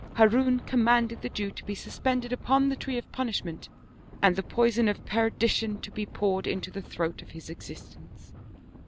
Harun commanded the Jew to be suspended upon the tree of punishment, and the poison of perdition to be poured into the throat of his existence.